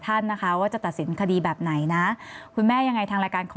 ท่านนะคะว่าจะตัดสินคดีแบบไหนนะคุณแม่ยังไงทางรายการขอ